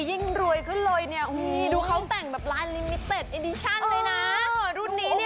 ยิ่งรวยขึ้นเลยเนี่ยโอ้โฮดูเขาแต่งแบบร้านรุ่นนี้เนี่ย